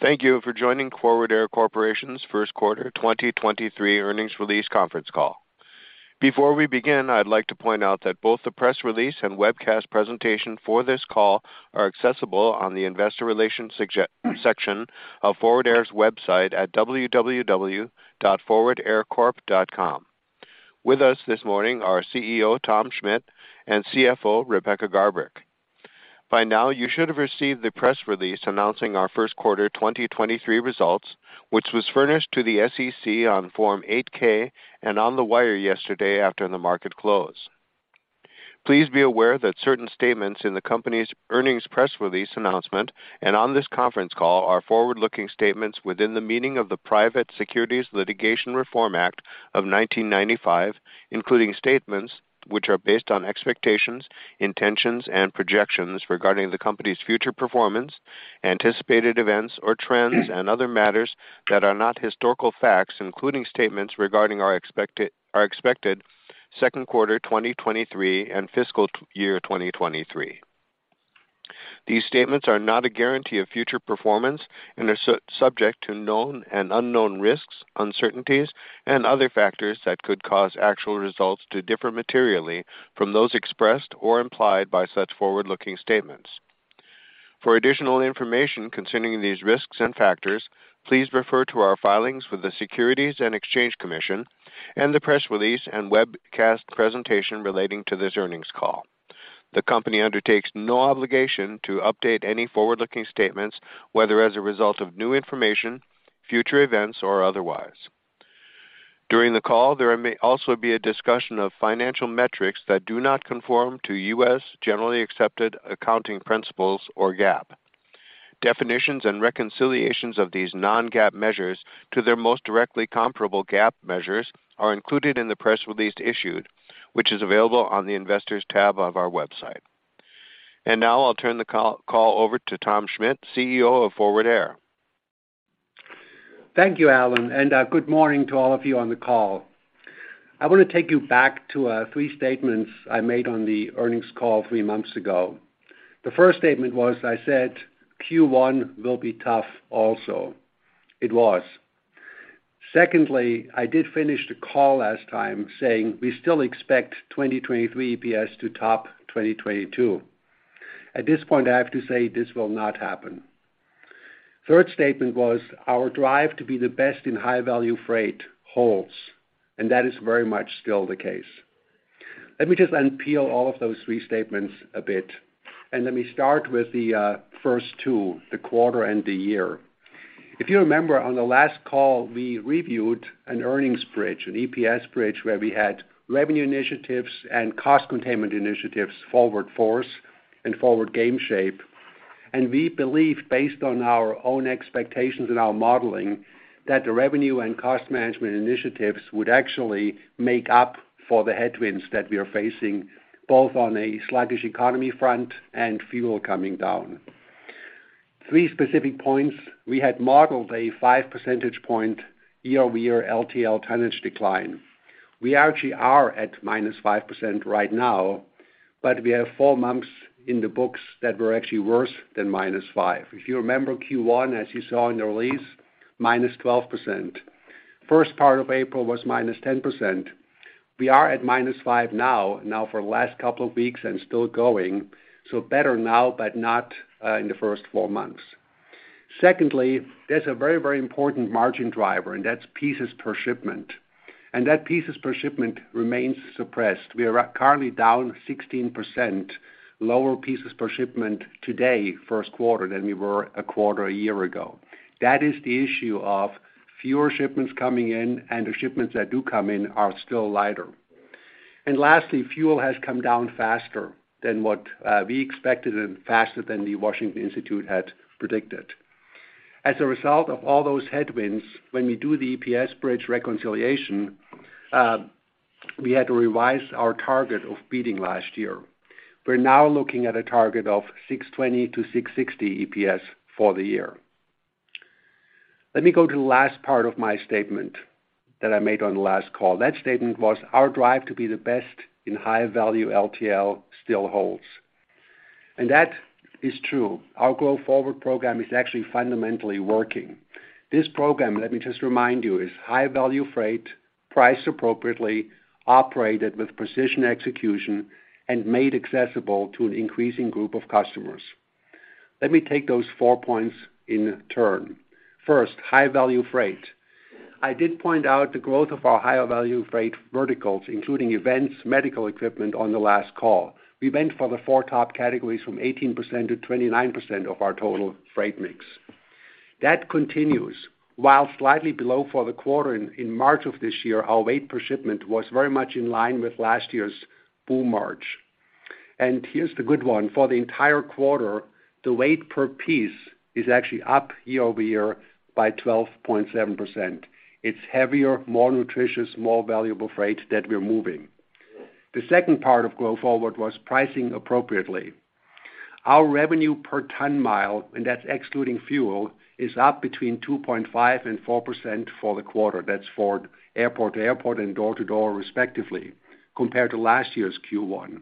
Thank you for joining Forward Air Corporation's first quarter 2023 earnings release conference call. Before we begin, I'd like to point out that both the press release and webcast presentation for this call are accessible on the investor relations SEC section of Forward Air's website at www.forwardaircorp.com. With us this morning are CEO, Tom Schmitt, and CFO, Rebecca Garbrick. By now, you should have received the press release announcing our first quarter 2023 results, which was furnished to the SEC on Form 8-K and on the wire yesterday after the market closed. Please be aware that certain statements in the company's earnings press release announcement and on this conference call are forward-looking statements within the meaning of the Private Securities Litigation Reform Act of 1995, including statements which are based on expectations, intentions, and projections regarding the company's future performance, anticipated events or trends, and other matters that are not historical facts, including statements regarding our expected second quarter 2023 and fiscal year 2023. These statements are not a guarantee of future performance and are subject to known and unknown risks, uncertainties, and other factors that could cause actual results to differ materially from those expressed or implied by such forward-looking statements. For additional information concerning these risks and factors, please refer to our filings with the Securities and Exchange Commission and the press release and webcast presentation relating to this earnings call. The company undertakes no obligation to update any forward-looking statements, whether as a result of new information, future events, or otherwise. During the call, there may also be a discussion of financial metrics that do not conform to US generally accepted accounting principles or GAAP. Definitions and reconciliations of these non-GAAP measures to their most directly comparable GAAP measures are included in the press release issued, which is available on the Investors tab of our website. Now I'll turn the call over to Tom Schmitt, CEO of Forward Air. Thank you, Alan, good morning to all of you on the call. I want to take you back to 3 statements I made on the earnings call 3 months ago. The first statement was I said Q1 will be tough also. It was. Secondly, I did finish the call last time saying we still expect 2023 EPS to top 2022. At this point, I have to say this will not happen. Third statement was our drive to be the best in high-value freight holds, and that is very much still the case. Let me just unpeel all of those 3 statements a bit, and let me start with the first two, the quarter and the year. If you remember on the last call, we reviewed an earnings bridge, an EPS bridge, where we had revenue initiatives and cost containment initiatives, Forward Force and Forward Game Shape. We believe based on our own expectations and our modeling, that the revenue and cost management initiatives would actually make up for the headwinds that we are facing, both on a sluggish economy front and fuel coming down. 3 specific points. We had modeled a 5 point year-over-year LTL tonnage decline. We actually are at -5% right now, but we have 4 months in the books that were actually worse than -5. If you remember Q1, as you saw in the release, -12%. First part of April was -10%. We are at -5 now for the last couple of weeks and still going, so better now, but not in the first four months. Secondly, there's a very, very important margin driver, and that's pieces per shipment, and that pieces per shipment remains suppressed. We are currently down 16% lower pieces per shipment today, first quarter, than we were a quarter a year ago. That is the issue of fewer shipments coming in. The shipments that do come in are still lighter. Lastly, fuel has come down faster than what we expected and faster than the Washington Institute had predicted. As a result of all those headwinds, when we do the EPS bridge reconciliation, we had to revise our target of beating last year. We're now looking at a target of $6.20-$6.60 EPS for the year. Let me go to the last part of my statement that I made on the last call. That statement was, our drive to be the best in high-value LTL still holds. That is true. Our Grow Forward program is actually fundamentally working. This program, let me just remind you, is high-value freight priced appropriately, operated with precision execution, and made accessible to an increasing group of customers. Let me take those four points in turn. First, high-value freight. I did point out the growth of our higher value freight verticals, including events, medical equipment on the last call. We went for the four top categories from 18% to 29% of our total freight mix. That continues. While slightly below for the quarter in March of this year, our weight per shipment was very much in line with last year's boom March. Here's the good one. For the entire quarter, the weight per piece is actually up year-over-year by 12.7%. It's heavier, more nutritious, more valuable freight that we're moving. The second part of Grow Forward was pricing appropriately. Our revenue per ton mile, that's excluding fuel, is up between 2.5% and 4% for the quarter. That's for airport to airport and door to door respectively compared to last year's Q1.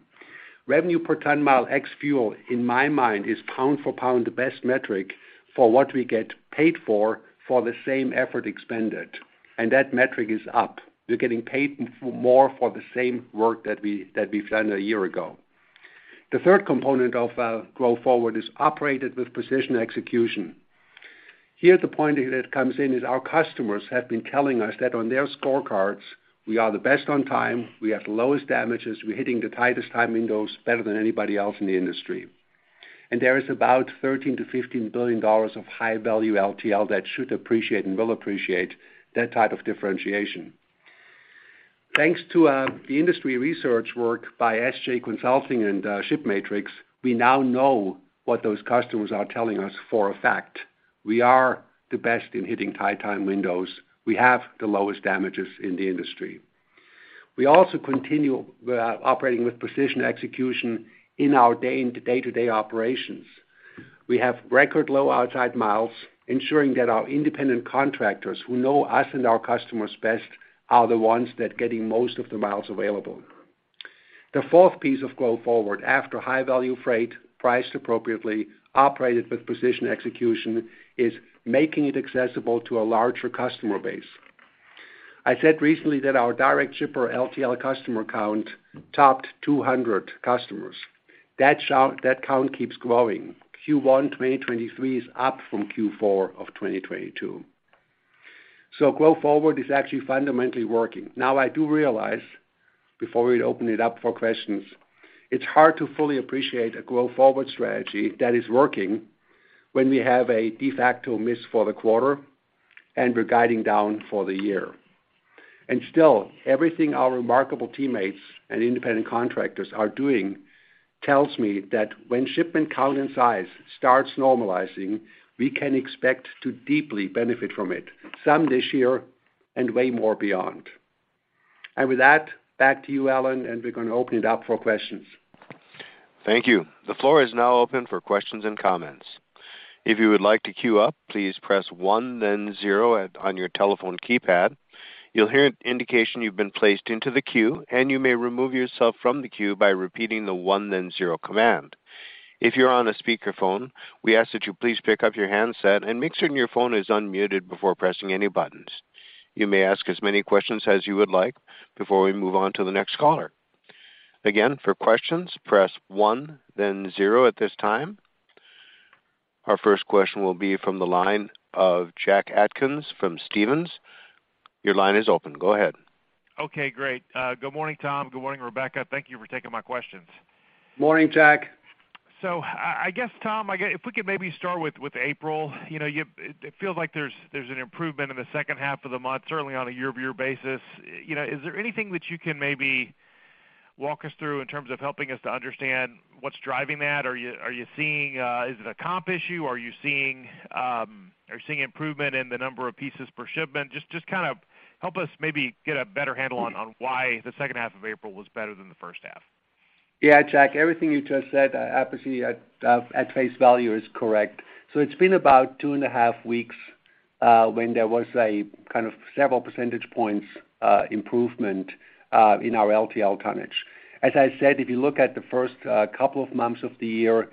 Revenue per ton mile ex fuel in my mind is pound for pound the best metric for what we get paid for the same effort expended, that metric is up. We're getting paid more for the same work that we've done a year ago. The third component of Grow Forward is operated with precision execution. Here, the point that comes in is our customers have been telling us that on their scorecards, we are the best on time, we have the lowest damages, we're hitting the tightest time windows better than anybody else in the industry. There is about $13 billion-$15 billion of high-value LTL that should appreciate and will appreciate that type of differentiation. Thanks to the industry research work by SJ Consulting and ShipMatrix, we now know what those customers are telling us for a fact. We are the best in hitting tight time windows. We have the lowest damages in the industry. We also continue operating with precision execution in our day-to-day operations. We have record low outside miles, ensuring that our independent contractors who know us and our customers best are the ones that getting most of the miles available. The fourth piece of Grow Forward, after high-value freight priced appropriately, operated with precision execution, is making it accessible to a larger customer base. I said recently that our direct shipper LTL customer count topped 200 customers. That count keeps growing. Q1 2023 is up from Q4 of 2022. Grow Forward is actually fundamentally working. Now, I do realize, before we open it up for questions, it's hard to fully appreciate a Grow Forward strategy that is working when we have a de facto miss for the quarter and we're guiding down for the year. Still, everything our remarkable teammates and independent contractors are doing tells me that when shipment count and size starts normalizing, we can expect to deeply benefit from it, some this year and way more beyond. With that, back to you, Alan, and we're going to open it up for questions. Thank you. The floor is now open for questions and comments. If you would like to queue up, please press 1, then 0 on your telephone keypad. You'll hear an indication you've been placed into the queue, and you may remove yourself from the queue by repeating the 1 then 0 command. If you're on a speakerphone, we ask that you please pick up your handset and make sure your phone is unmuted before pressing any buttons. You may ask as many questions as you would like before we move on to the next caller. Again, for questions, press 1, then 0 at this time. Our first question will be from the line of Jack Atkins from Stephens. Your line is open. Go ahead. Okay, great. Good morning, Tom. Good morning, Rebecca. Thank you for taking my questions. Morning, Jack. I guess, Tom, if we could maybe start with April. You know, it feels like there's an improvement in the second half of the month, certainly on a year-over-year basis. You know, is there anything that you can maybe walk us through in terms of helping us to understand what's driving that? Are you seeing, is it a comp issue? Are you seeing improvement in the number of pieces per shipment? Just kind of help us maybe get a better handle on why the second half of April was better than the first half. Yeah, Jack, everything you just said, obviously at face value is correct. It's been about two and a half weeks when there was a kind of several percentage points improvement in our LTL tonnage. As I said, if you look at the first couple of months of the year,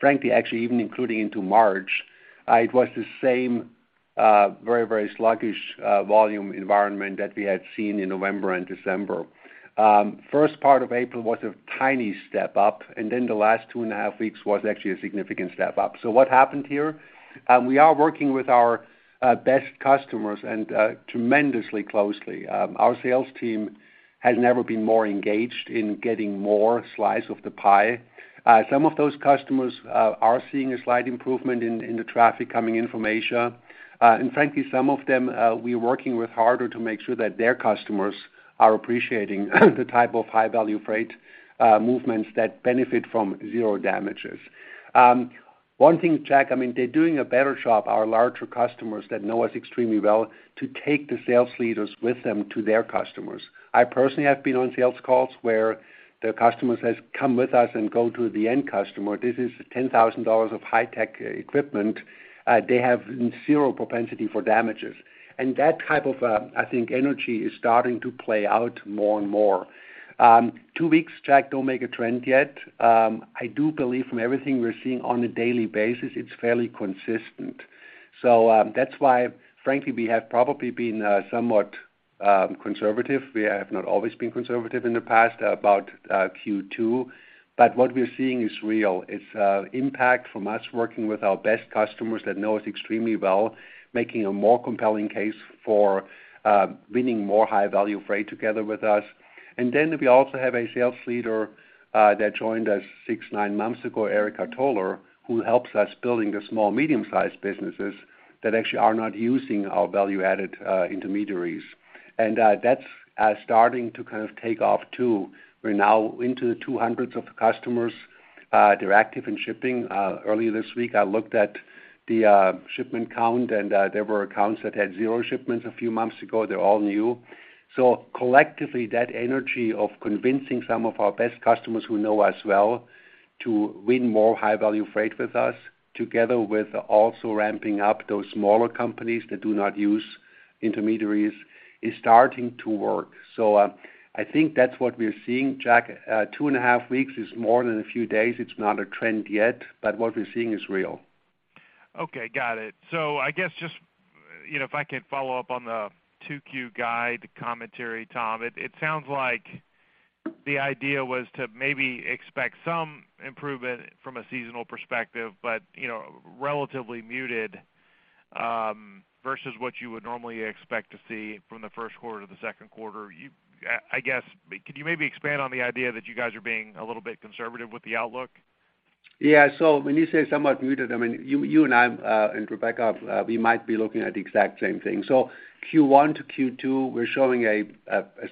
frankly, actually even including into March, it was the same very, very sluggish volume environment that we had seen in November and December. First part of April was a tiny step up, the last two and a half weeks was actually a significant step up. What happened here? We are working with our best customers and tremendously closely. Our sales team has never been more engaged in getting more slice of the pie. Some of those customers are seeing a slight improvement in the traffic coming in from Asia. Frankly, some of them, we're working with harder to make sure that their customers are appreciating the type of high-value freight movements that benefit from zero damages. One thing, Jack, I mean, they're doing a better job, our larger customers that know us extremely well, to take the sales leaders with them to their customers. I personally have been on sales calls where the customer says, "Come with us and go to the end customer." This is $10,000 of high-tech equipment. They have zero propensity for damages. That type of, I think, energy is starting to play out more and more. Two weeks, Jack, don't make a trend yet. I do believe from everything we're seeing on a daily basis, it's fairly consistent. That's why, frankly, we have probably been somewhat conservative. We have not always been conservative in the past about Q2, but what we're seeing is real. It's impact from us working with our best customers that know us extremely well, making a more compelling case for winning more high-value freight together with us. Then we also have a sales leader that joined us 6, 9 months ago, Erika Tolar, who helps us building the small, medium-sized businesses that actually are not using our value-added intermediaries. That's starting to kind of take off too. We're now into the 200s of customers. They're active in shipping. Earlier this week, I looked at the shipment count, there were accounts that had 0 shipments a few months ago. They're all new. Collectively, that energy of convincing some of our best customers who know us well to win more high-value freight with us, together with also ramping up those smaller companies that do not use intermediaries, is starting to work. I think that's what we're seeing, Jack. Two and a half weeks is more than a few days. It's not a trend yet, but what we're seeing is real. Okay, got it. I guess just, you know, if I can follow up on the 2Q guide commentary, Tom, it sounds like the idea was to maybe expect some improvement from a seasonal perspective, but, you know, relatively muted, versus what you would normally expect to see from the first quarter to the second quarter. I guess, could you maybe expand on the idea that you guys are being a little bit conservative with the outlook? When you say somewhat muted, you and I, and Rebecca, we might be looking at the exact same thing. Q1 to Q2, we're showing a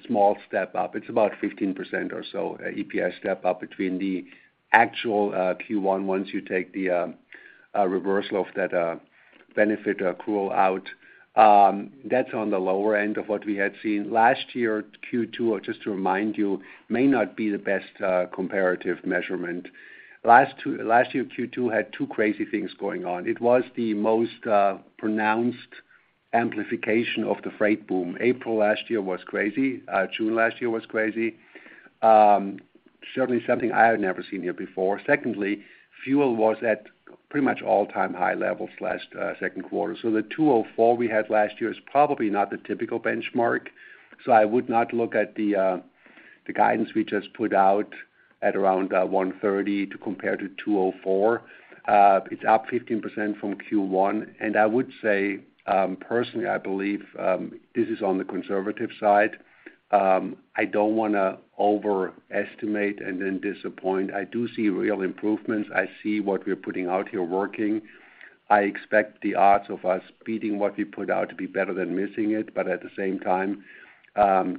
small step-up. It's about 15% or so, EPS step-up between the actual Q1, once you take the reversal of that benefit accrual out. That's on the lower end of what we had seen. Last year, Q2, just to remind you, may not be the best comparative measurement. Last year, Q2 had two crazy things going on. It was the most pronounced amplification of the freight boom. April last year was crazy. June last year was crazy. Certainly something I have never seen here before. Secondly, fuel was at pretty much all-time high levels last second quarter. The 204 we had last year is probably not the typical benchmark. I would not look at the guidance we just put out at around 130 to compare to 204. It's up 15% from Q1, and I would say, personally, I believe, this is on the conservative side. I don't wanna overestimate and then disappoint. I do see real improvements. I see what we're putting out here working. I expect the odds of us beating what we put out to be better than missing it. At the same time,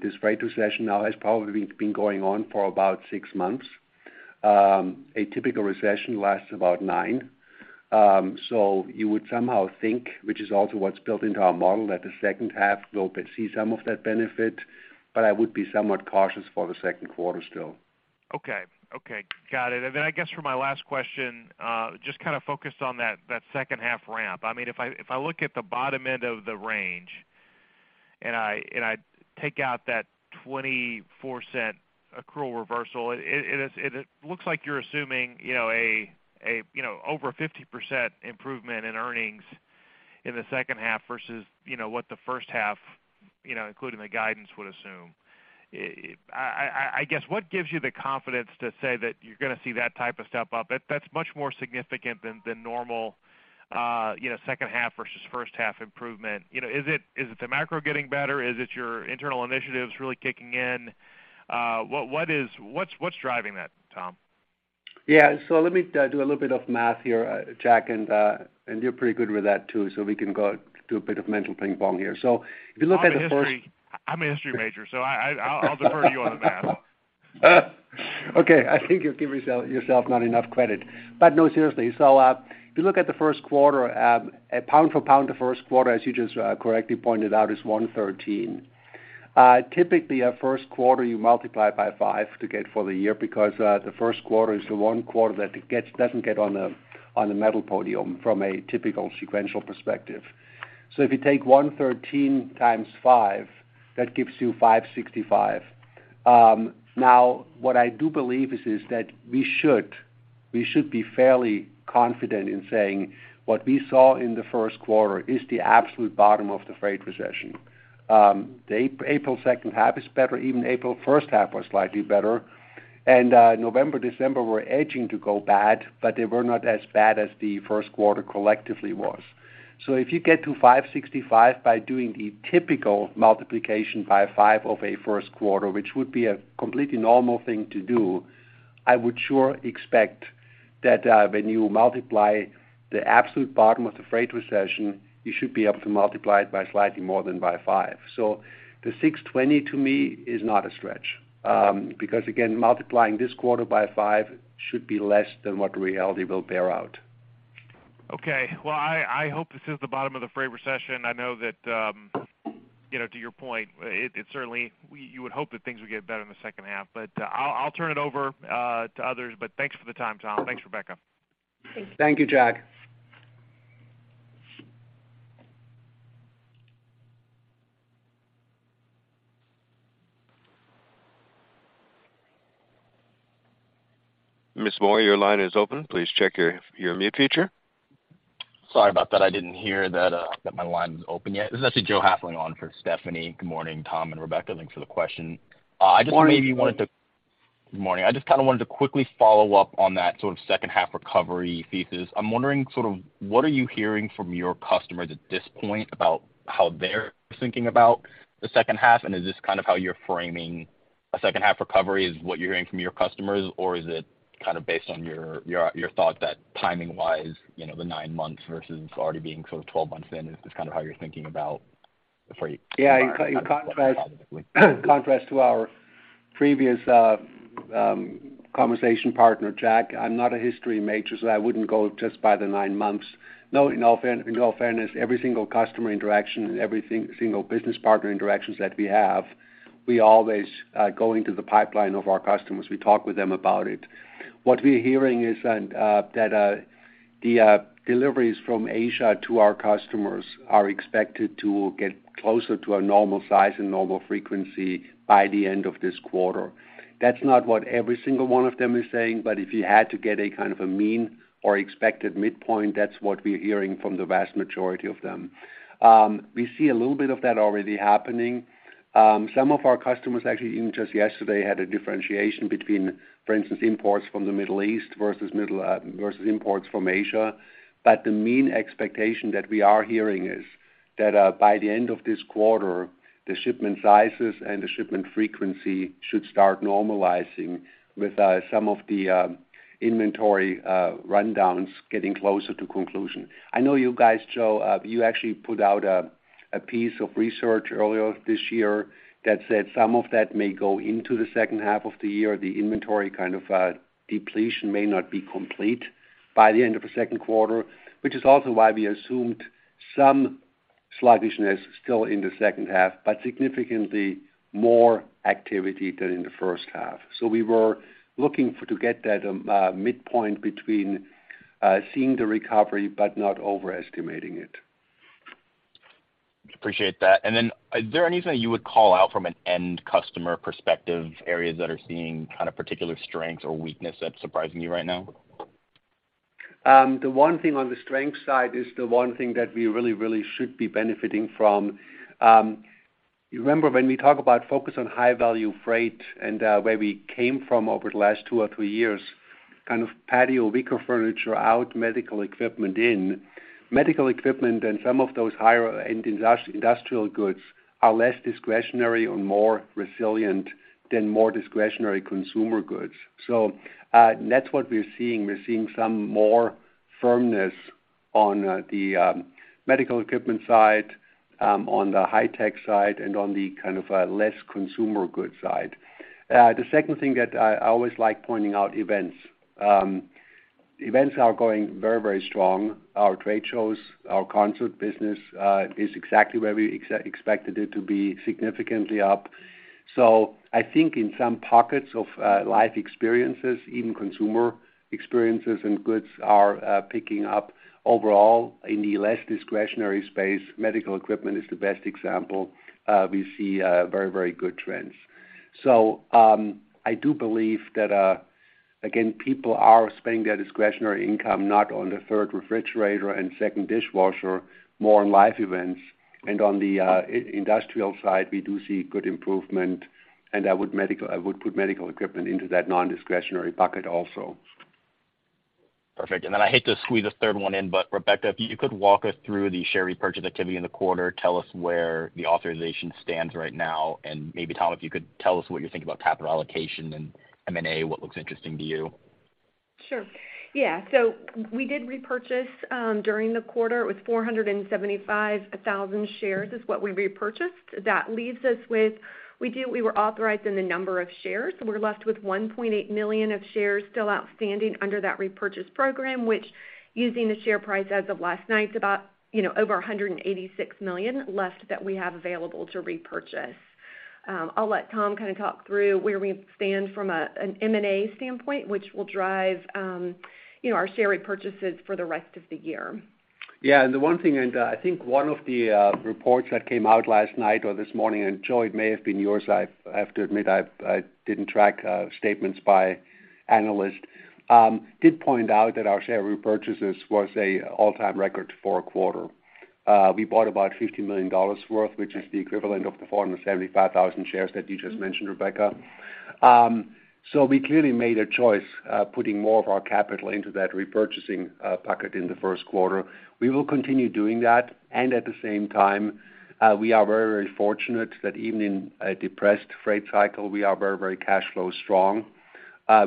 this freight recession now has probably been going on for about 6 months. A typical recession lasts about 9. You would somehow think, which is also what's built into our model, that the second half will see some of that benefit, but I would be somewhat cautious for the second quarter still. Okay. Okay. Got it. I guess for my last question, just kind of focused on that second half ramp. I mean, if I, if I look at the bottom end of the range and I, and I take out that $0.24 accrual reversal, it looks like you're assuming, you know, a, you know, over 50% improvement in earnings in the second half versus, you know, what the first half, you know, including the guidance, would assume. I guess, what gives you the confidence to say that you're gonna see that type of step up? That, that's much more significant than normal, you know, second half versus first half improvement. You know, is it, is it the macro getting better? Is it your internal initiatives really kicking in? What's driving that, Tom? Yeah. Let me do a little bit of math here, Jack, and you're pretty good with that too. We can go do a bit of mental ping pong here. I'm a history major, I'll defer to you on the math. Okay. I think you give yourself not enough credit. No, seriously. If you look at the first quarter, pound for pound the first quarter as you just correctly pointed out is 113. Typically a first quarter you multiply by 5 to get for the year because the first quarter is the one quarter that doesn't get on a medal podium from a typical sequential perspective. If you take 113 times 5, that gives you 565. Now what I do believe is that we should be fairly confident in saying what we saw in the first quarter is the absolute bottom of the freight recession. The April second half is better. Even April first half was slightly better. November, December were edging to go bad, but they were not as bad as the first quarter collectively was. If you get to 565 by doing the typical multiplication by 5 of a first quarter, which would be a completely normal thing to do, I would sure expect that when you multiply the absolute bottom of the freight recession, you should be able to multiply it by slightly more than by 5. The 620 to me is not a stretch because again multiplying this quarter by 5 should be less than what reality will bear out. Okay. Well, I hope this is the bottom of the freight recession. I know that, you know, to your point, it certainly you would hope that things would get better in the second half. I'll turn it over to others. Thanks for the time, Tom. Thanks, Rebecca. Thank you, Jack. Miss Moore, your line is open. Please check your mute feature. Sorry about that. I didn't hear that my line was open yet. This is actually Joe Hassling on for Stephanie. Good morning, Tom and Rebecca. Thanks for the question. I just maybe wanted to. Morning. Good morning. I just kind of wanted to quickly follow up on that sort of second half recovery thesis. I'm wondering sort of what are you hearing from your customers at this point about how they're thinking about the second half? Is this kind of how you're framing a second half recovery is what you're hearing from your customers? Is it kind of based on your thought that timing wise, you know, the 9 months versus already being sort of 12 months in is just kind of how you're thinking about the freight? Yeah. In contrast to our previous conversation partner, Jack, I'm not a history major, so I wouldn't go just by the 9 months. No, in all fairness, every single customer interaction and every single business partner interactions that we have. We always go into the pipeline of our customers. We talk with them about it. What we're hearing is that the deliveries from Asia to our customers are expected to get closer to a normal size and normal frequency by the end of this quarter. That's not what every single one of them is saying, but if you had to get a kind of a mean or expected midpoint, that's what we're hearing from the vast majority of them. We see a little bit of that already happening. Some of our customers actually even just yesterday had a differentiation between, for instance, imports from the Middle East versus Middle versus imports from Asia. The mean expectation that we are hearing is that by the end of this quarter, the shipment sizes and the shipment frequency should start normalizing with some of the inventory rundowns getting closer to conclusion. I know you guys, Joe, you actually put out a piece of research earlier this year that said some of that may go into the second half of the year. The inventory kind of depletion may not be complete by the end of the second quarter, which is also why we assumed some sluggishness still in the second half, but significantly more activity than in the first half. We were looking for to get that midpoint between seeing the recovery but not overestimating it. Appreciate that. Is there anything you would call out from an end customer perspective, areas that are seeing kind of particular strengths or weakness that's surprising you right now? The one thing on the strength side is the one thing that we really should be benefiting from. You remember when we talk about focus on high-value freight and where we came from over the last 2 or 3 years, kind of patio wicker furniture out, medical equipment in. Medical equipment and some of those higher-end industrial goods are less discretionary and more resilient than more discretionary consumer goods. That's what we're seeing. We're seeing some more firmness on the medical equipment side, on the high-tech side, and on the kind of less consumer goods side. The second thing that I always like pointing out, events. Events are going very strong. Our trade shows, our concert business is exactly where we expected it to be, significantly up. I think in some pockets of life experiences, even consumer experiences and goods are picking up overall in the less discretionary space. Medical equipment is the best example. We see very, very good trends. I do believe that again, people are spending their discretionary income not on the third refrigerator and second dishwasher, more on live events. On the industrial side, we do see good improvement, and I would put medical equipment into that non-discretionary bucket also. Perfect. I hate to squeeze a third one in. Rebecca, if you could walk us through the share repurchase activity in the quarter, tell us where the authorization stands right now. Maybe Tom, if you could tell us what you think about capital allocation and M&A, what looks interesting to you? Sure. Yeah. We did repurchase during the quarter. It was 475,000 shares is what we repurchased. That leaves us with, we were authorized in the number of shares, so we're left with 1.8 million shares still outstanding under that repurchase program, which using the share price as of last night, is about, you know, over $186 million left that we have available to repurchase. I'll let Tom kind of talk through where we stand from an M&A standpoint, which will drive, you know, our share repurchases for the rest of the year. Yeah. The one thing, and I think one of the reports that came out last night or this morning, and Joe it may have been yours, I have to admit I didn't track statements by analysts, did point out that our share repurchases was a all-time record for a quarter. We bought about $50 million worth, which is the equivalent of the 475,000 shares that you just mentioned, Rebecca. We clearly made a choice, putting more of our capital into that repurchasing pocket in the first quarter. We will continue doing that, and at the same time, we are very, very fortunate that even in a depressed freight cycle, we are very, very cash flow strong.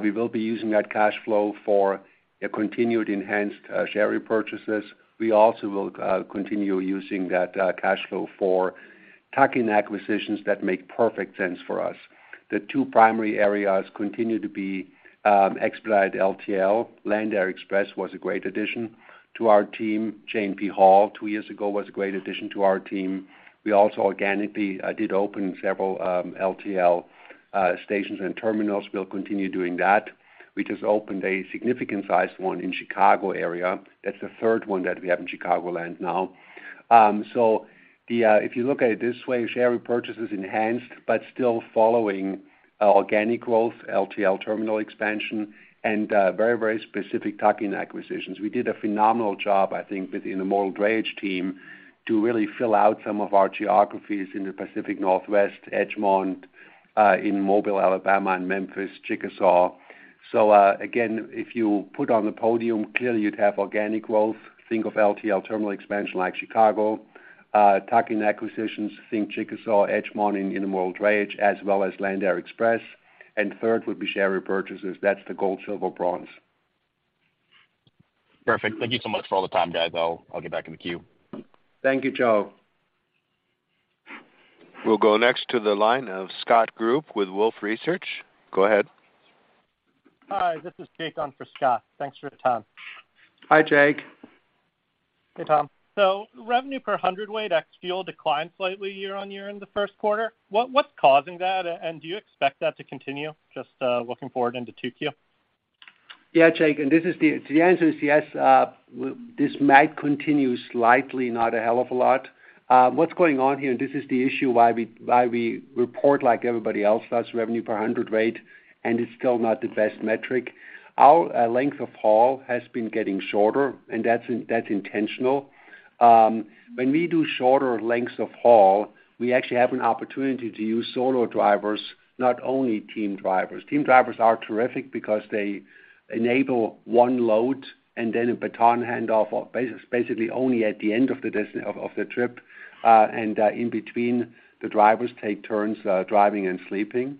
We will be using that cash flow for a continued enhanced share repurchases. We also will continue using that cash flow for tuck-in acquisitions that make perfect sense for us. The 2 primary areas continue to be expedited LTL. Land Air Express was a great addition to our team. J&P Hall 2 years ago was a great addition to our team. We also organically did open several LTL stations and terminals. We'll continue doing that. We just opened a significant sized one in Chicago area. That's the third one that we have in Chicago land now. If you look at it this way, share repurchase is enhanced, but still following organic growth, LTL terminal expansion and very, very specific tuck-in acquisitions. We did a phenomenal job, I think, within the intermodal drayage team to really fill out some of our geographies in the Pacific Northwest, Edgmon, in Mobile, Alabama, and Memphis, Chickasaw. Again, if you put on the podium, clearly you'd have organic growth. Think of LTL terminal expansion like Chicago. Tuck-in acquisitions, think Chickasaw, Edgemon in intermodal drayage, as well as Land Air Express. Third would be share repurchases. That's the gold, silver, bronze. Perfect. Thank you so much for all the time, guys. I'll get back in the queue. Thank you, Joe. We'll go next to the line of Scott Group with Wolfe Research. Go ahead. Hi, this is Jake on for Scott. Thanks for your time. Hi, Jake. Hey, Tom. Revenue per hundredweight ex-fuel declined slightly year-on-year in the first quarter. What's causing that, and do you expect that to continue, just looking forward into two Q? Yeah, Jake, the answer is yes. This might continue slightly, not a hell of a lot. What's going on here, this is the issue why we report like everybody else does, revenue per hundredweight, it's still not the best metric. Our length of haul has been getting shorter, that's intentional. When we do shorter lengths of haul, we actually have an opportunity to use solo drivers, not only team drivers. Team drivers are terrific because they enable one load and then a baton handoff, basically only at the end of the trip. In between, the drivers take turns driving and sleeping.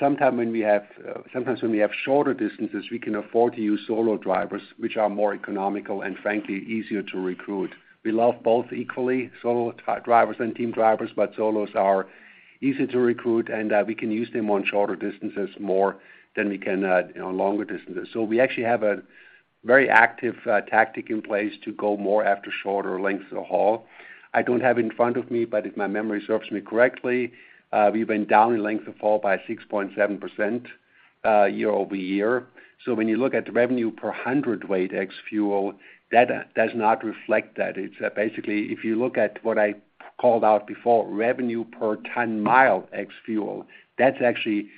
Sometime when we have, sometimes when we have shorter distances, we can afford to use solo drivers, which are more economical and frankly, easier to recruit. We love both equally, solo drivers and team drivers, but solos are easier to recruit, and we can use them on shorter distances more than we can on longer distances. We actually have a very active tactic in place to go more after shorter lengths of haul. I don't have in front of me, but if my memory serves me correctly, we've been down in length of haul by 6.7% year-over-year. When you look at the revenue per hundredweight ex-fuel, that does not reflect that. It's basically if you look at what I called out before, revenue per ton mile ex-fuel, that's actually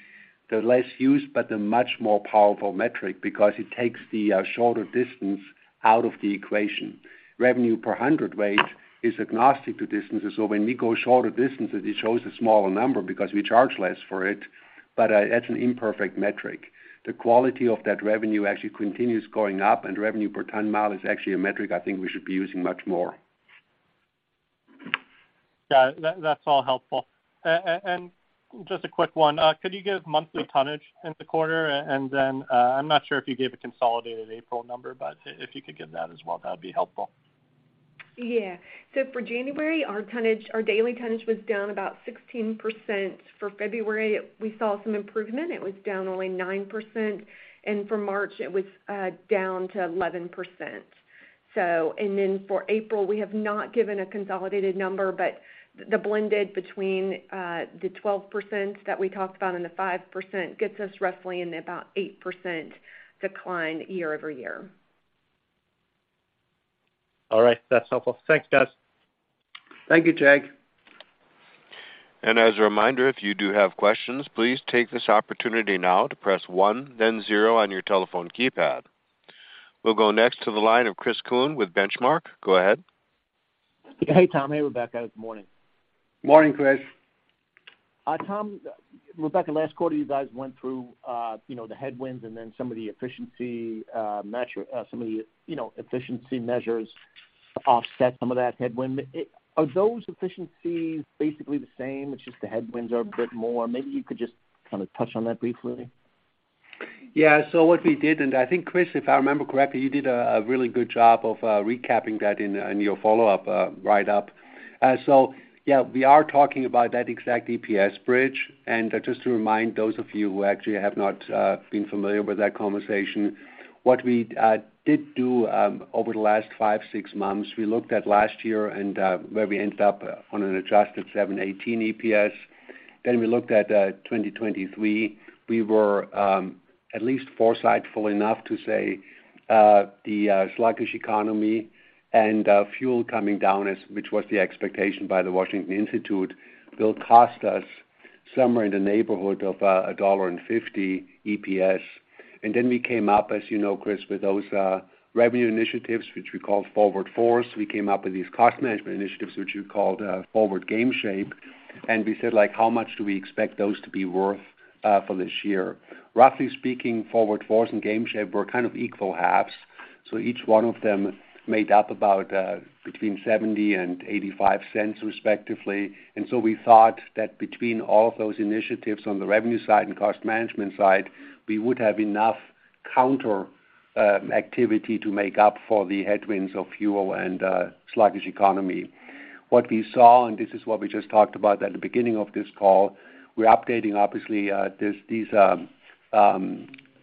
the less used but the much more powerful metric because it takes the shorter distance out of the equation. Revenue per hundredweight is agnostic to distances, so when we go shorter distances, it shows a smaller number because we charge less for it, but that's an imperfect metric. The quality of that revenue actually continues going up, and revenue per ton mile is actually a metric I think we should be using much more. Yeah. That's all helpful. Just a quick one. Could you give monthly tonnage in the quarter? I'm not sure if you gave a consolidated April number, but if you could give that as well, that'd be helpful. Yeah. For January, our tonnage, our daily tonnage was down about 16%. For February, we saw some improvement. It was down only 9%. For March, it was down to 11%. For April, we have not given a consolidated number, but the blended between the 12% that we talked about, and the 5% gets us roughly in about 8% decline year-over-year. All right. That's helpful. Thanks, guys. Thank you, Jake. As a reminder, if you do have questions, please take this opportunity now to press 1 then 0 on your telephone keypad. We'll go next to the line of Chris Kuhn with Benchmark. Go ahead. Hey, Tom. Hey, Rebecca. Good morning. Morning, Chris. Tom, Rebecca, last quarter, you guys went through, you know, the headwinds some of the efficiency measures to offset some of that headwind. Are those efficiencies basically the same, it's just the headwinds are a bit more? Maybe you could just kind of touch on that briefly. What we did, and I think, Chris, if I remember correctly, you did a really good job of recapping that in your follow-up writeup. Yeah, we are talking about that exact EPS bridge. Just to remind those of you who actually have not been familiar with that conversation, what we did do over the last five, six months, we looked at last year and where we ended up on an adjusted 7.18 EPS. We looked at 2023. We were at least foresightful enough to say the sluggish economy and fuel coming down which was the expectation by the Washington Institute, will cost us somewhere in the neighborhood of $1.50 EPS. Then we came up, as you know, Chris, with those revenue initiatives, which we called Forward Force. We came up with these cost management initiatives, which we called Forward Game Shape. We said, like, how much do we expect those to be worth for this year? Roughly speaking, Forward Force and Game Shape were kind of equal halves. Each one of them made up about $0.70-$0.85, respectively. We thought that between all of those initiatives on the revenue side and cost management side, we would have enough counter activity to make up for the headwinds of fuel and a sluggish economy. What we saw, and this is what we just talked about at the beginning of this call, we're updating obviously these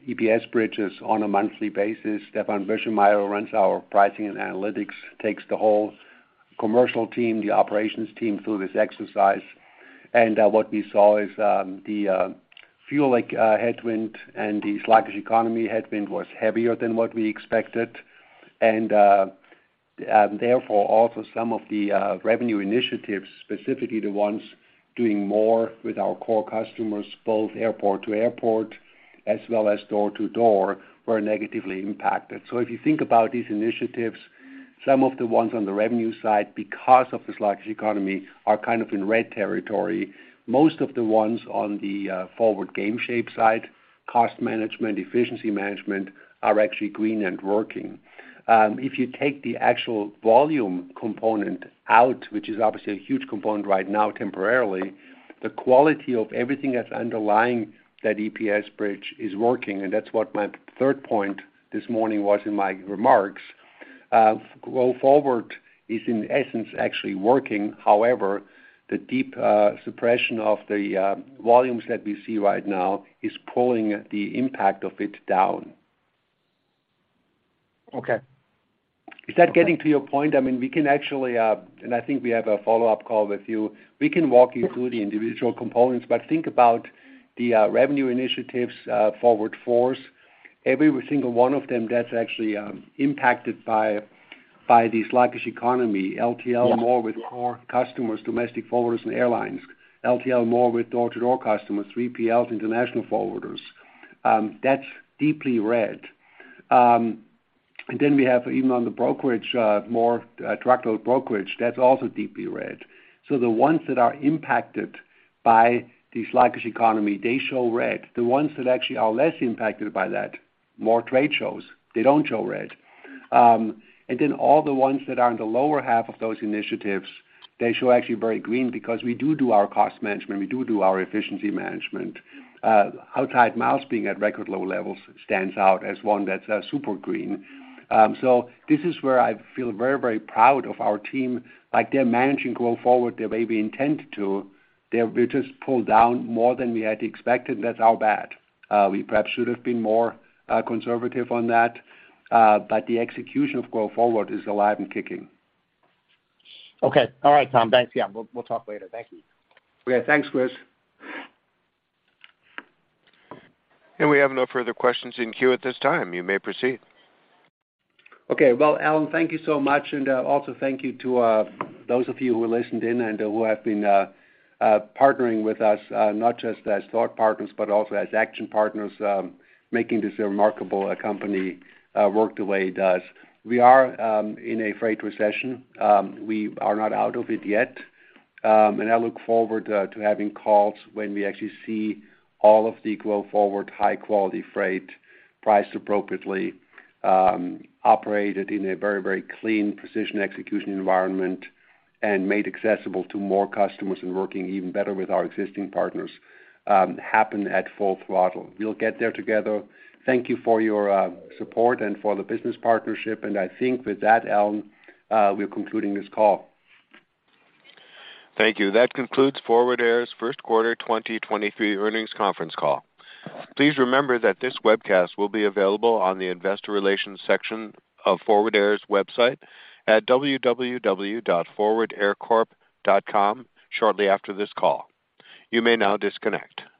EPS bridges on a monthly basis. Stefan Birschmeyer runs our pricing and analytics, takes the whole commercial team, the operations team through this exercise. What we saw is the fuel, like, headwind and the sluggish economy headwind was heavier than what we expected. Therefore, also some of the revenue initiatives, specifically the ones doing more with our core customers, both airport to airport as well as door to door, were negatively impacted. If you think about these initiatives, some of the ones on the revenue side, because of the sluggish economy, are kind of in red territory. Most of the ones on the Forward Game Shape side, cost management, efficiency management, are actually green and working. If you take the actual volume component out, which is obviously a huge component right now temporarily, the quality of everything that's underlying that EPS bridge is working. That's what my third point this morning was in my remarks. Grow Forward is in essence actually working. However, the deep suppression of the volumes that we see right now is pulling the impact of it down. Okay. Is that getting to your point? I mean, we can actually, I think we have a follow-up call with you. We can walk you through the individual components, but think about the revenue initiatives, Forward Force. Every single one of them that's actually impacted by the sluggish economy, LTL more with core customers, domestic forwarders and airlines. LTL more with door-to-door customers, 3PLs, international forwarders. That's deeply red. We have even on the brokerage, more truckload brokerage, that's also deeply red. The ones that are impacted by the sluggish economy, they show red. The ones that actually are less impacted by that, more trade shows, they don't show red. All the ones that are in the lower half of those initiatives, they show actually very green because we do our cost management, we do our efficiency management. outside miles being at record low levels stands out as one that's super green. This is where I feel very, very proud of our team. Like, they're managing Grow Forward the way we intend to. We just pulled down more than we had expected. That's our bad. We perhaps should have been more conservative on that, the execution of Grow Forward is alive and kicking. Okay. All right, Tom. Thanks. Yeah, we'll talk later. Thank you. Okay, thanks, Chris. We have no further questions in queue at this time. You may proceed. Okay. Well, Alan, thank you so much, and also thank you to those of you who listened in and who have been partnering with us, not just as thought partners, but also as action partners, making this a remarkable company work the way it does. We are in a freight recession. We are not out of it yet. I look forward to having calls when we actually see all of the go forward high quality freight priced appropriately, operated in a very, very clean precision execution environment and made accessible to more customers and working even better with our existing partners, happen at full throttle. We'll get there together. Thank you for your support and for the business partnership. I think with that, Alan, we're concluding this call. Thank you. That concludes Forward Air's first quarter 2023 earnings conference call. Please remember that this webcast will be available on the investor relations section of Forward Air's website at www.forwardaircorp.com shortly after this call. You may now disconnect.